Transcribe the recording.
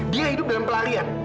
dia hidup dalam pelarian